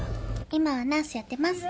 今はナースやってます。